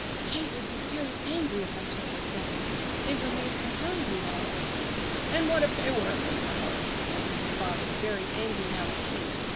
"Kate would be very angry if I took her things. They were made for her, you know." "And what if they were made for her?" answered the father, very angry now at Kate.